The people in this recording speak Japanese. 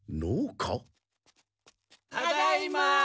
・ただいま！